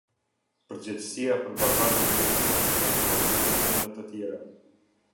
Përgjegjësia për bagazhin e dorëzuar për transport dhe sende të tjera.